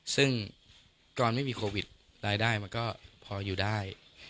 ซึ่งตอนไม่มีโควิดรายได้มันก็พออยู่ได้